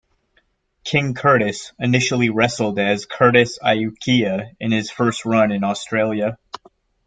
King Curtis initially wrestled as Curtis Iaukea in his first run in Australia.